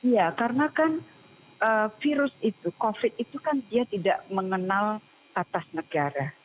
ya karena kan virus itu covid itu kan dia tidak mengenal atas negara